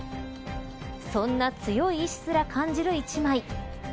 そんな強い意志すら感じる１枚。